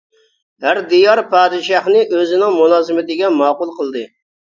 ھەر دىيار پادىشاھنى ئۆزىنىڭ مۇلازىمىتىگە ماقۇل قىلدى.